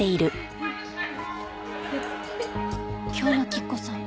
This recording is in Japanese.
今日の吉子さん